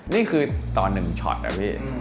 นี่คือตอนหนึ่งช็อตอะพี่